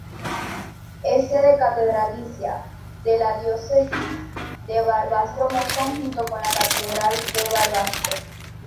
Es sede catedralicia de la diócesis de Barbastro-Monzón junto con la catedral de Barbastro.